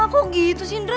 kok gitu sindra